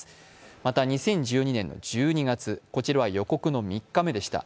また２０１２年の１２月、こちらは予告の３日目でした。